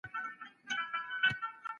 دوی کولای سول چي خپل سياسي لوری وټاکي.